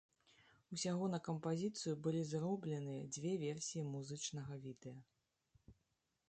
Усяго на кампазіцыю былі зробленыя дзве версіі музычнага відэа.